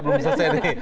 belum selesai nih